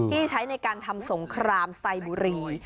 ที่ใช้ในการทำสงครามไซบุรี